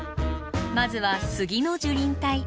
まずは杉の樹林帯。